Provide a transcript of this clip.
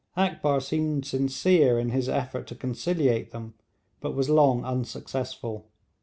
Akbar seemed sincere in his effort to conciliate them, but was long unsuccessful.